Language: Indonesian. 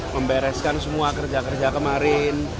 membereskan semua kerja kerja kemarin